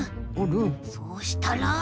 そうしたら。